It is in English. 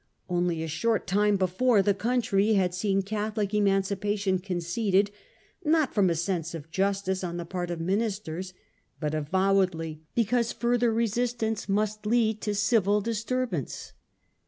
Only a short time before the country had seen Catholic Emancipa tion conceded, not from a sense of justice on the part of ministers, but avowedly because further resistance must lead to civil disturbance.